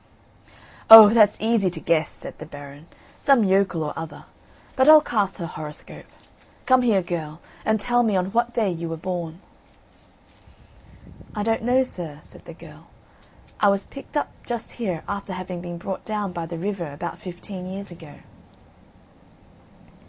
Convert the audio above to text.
"Oh! that's easy to guess," said the Baron; "some yokel or other. But I'll cast her horoscope. Come here girl, and tell me on what day you were born?" "I don't know, sir," said the girl, "I was picked up just here after having been brought down by the river about fifteen years ago."